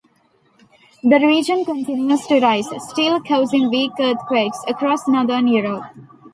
The region continues to rise, still causing weak earthquakes across Northern Europe.